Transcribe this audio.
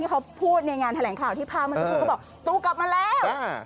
เขาพูดในงานแถลงข่าวที่พามาดูเขาบอกตูกลับมาแล้ว